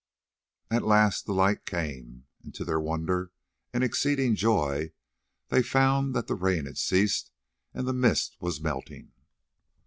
At last the light came and to their wonder and exceeding joy they found that the rain had ceased and the mist was melting.